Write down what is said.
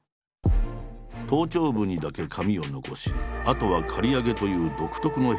頭頂部にだけ髪を残しあとは刈り上げという独特のヘアスタイル。